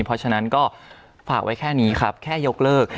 เพราะฉะนั้นก็ฝากไว้แค่นี้ครับแค่ยกเลิก